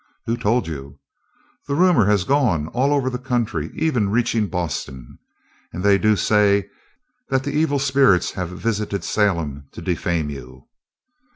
"Who told you?" "The rumor has gone all over the country, even reaching Boston. And they do say that the evil spirits have visited Salem to defame you."